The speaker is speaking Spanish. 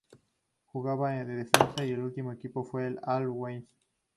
Jugaba de defensa y su último equipo fue el Al-Wehda.